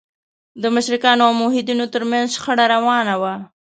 د مشرکانو او موحدینو تر منځ شخړه روانه وه.